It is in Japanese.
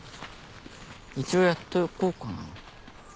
一応やっておこうかな。